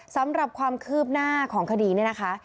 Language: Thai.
สำหรับความคืบหน้าของคดีเนี่ยนะคะ